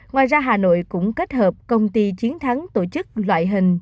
ngoài ra hà nội cũng kết hợp công ty chiến thắng tổ chức loại hình